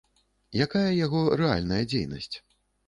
Якая яго рэальная дзейнасць?